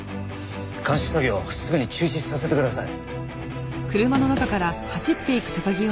鑑識作業をすぐに中止させてください。